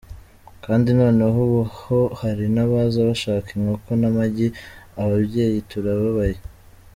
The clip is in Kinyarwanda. Kandi noneho ubu ho hari n’abaza bashaka inkoko n’amagi, ababyeyi turababaye.